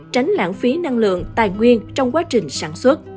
tránh lãng phí năng lượng tài nguyên trong quá trình sản xuất